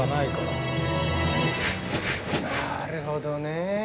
なるほどね。